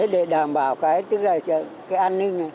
để đảm bảo cái an ninh này